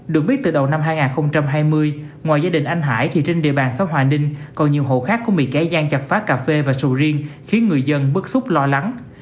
được biết từ đầu năm hai nghìn hai mươi ngoài gia đình anh hải thì trên địa bàn xã hòa ninh còn nhiều hộ khác cũng bị kẻ gian chặt phá cà phê và sầu riêng khiến người dân bức xúc lo lắng